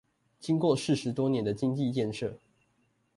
經過四十多年的經濟建設